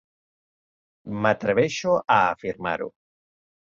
M'atreveixo a afirmar-ho.